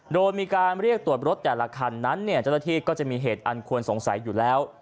โดยมีการเรียกตรวจรถแต่ละคันนั้นเนี่ยเจ้าหน้าที่ก็จะมีเหตุอันควรสงสัยอยู่แล้ว